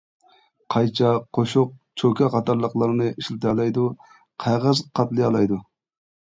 قايچا، قوشۇق، چوكا قاتارلىقلارنى ئىشلىتەلەيدۇ، قەغەز قاتلىيالايدۇ.